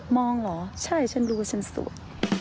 มองเหรอใช่ฉันรู้ว่าฉันสวย